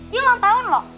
di ulang tahun lo